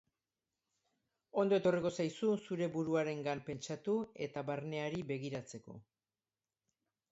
Ondo etorriko zaizu zure buruarengan pentsatu eta barneari begiratzeko.